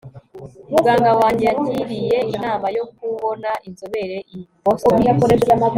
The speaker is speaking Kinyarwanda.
muganga wanjye yangiriye inama yo kubona inzobere i boston